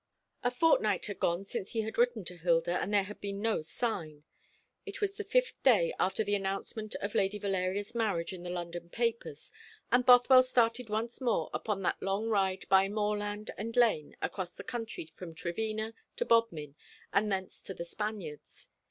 A fortnight had gone since he had written to Hilda, and there had been no sign. It was the fifth day after the announcement of Lady Valeria's marriage in the London papers, and Bothwell started once more upon that long ride by moorland and lane, across country from Trevena to Bodmin, and thence to The Spaniards.